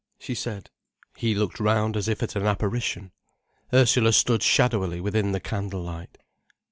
she said. He looked round as if at an apparition. Ursula stood shadowily within the candle light.